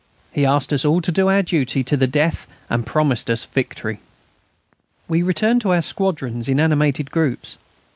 He asked us all to do our duty to the death and promised us victory. We returned to our squadrons in animated groups.